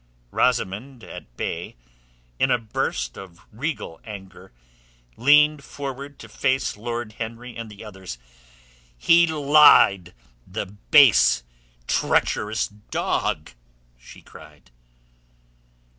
Rosamund at bay, in a burst of regal anger leaned forward to face Lord Henry and the others. "He lied, the base, treacherous dog!" she cried.